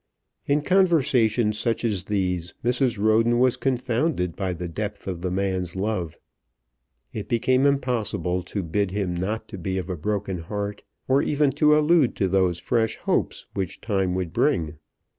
In conversations such as these Mrs. Roden was confounded by the depth of the man's love. It became impossible to bid him not be of a broken heart, or even to allude to those fresh hopes which Time would bring.